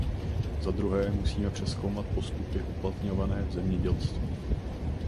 Zadruhé, musíme přezkoumat postupy uplatňované v zemědělství.